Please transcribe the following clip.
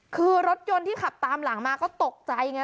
คือรถยนต์ที่ขับตามหลังมาก็ตกใจไง